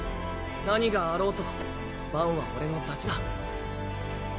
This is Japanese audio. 何があろうとバンは俺のダチだ。